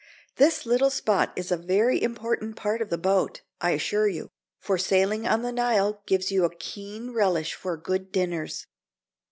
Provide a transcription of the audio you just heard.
This little spot is a very important part of the boat, I assure you, for sailing on the Nile gives you a keen relish for good dinners.